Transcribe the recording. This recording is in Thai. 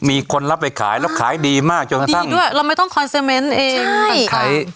มีคนรับไปขายแล้วขายดีมากดีด้วยเราไม่ต้องเองใช่แต่ขาย